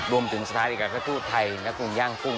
รวมถึงสถานีการกระทรวงการทูตไทยและกรุงย่างกุ้ง